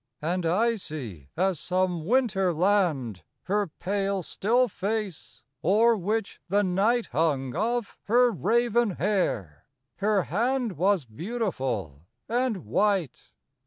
And icy as some winter land Her pale, still face; o'er which the night Hung of her raven hair; her hand Was beautiful and white.